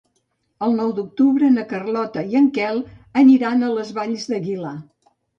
El nou d'octubre na Carlota i en Quel aniran a les Valls d'Aguilar.